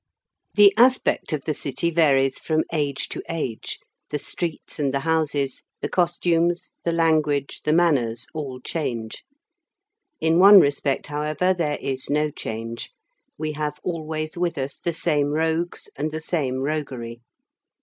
The aspect of the City varies from age to age: the streets and the houses, the costumes, the language, the manners, all change. In one respect however, there is no change: we have always with us the same rogues and the same roguery.